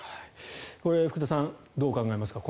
福田さんどう考えますか？